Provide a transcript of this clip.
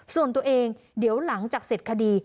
ส่วนตัวเองเดี๋ยวหลังจากเสร็จคดี